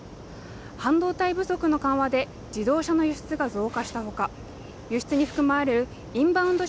半導体不足の緩和で自動車の輸出が増加したほか輸出に含まれるインバウンド